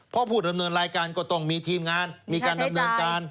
เพราะผู้ดำเนินรายการก็ต้องมีทีมงานมีการดำเนินการ